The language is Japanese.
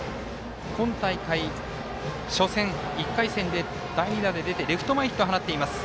今大会、初戦１回戦で代打で出てレフト前ヒットを放っています。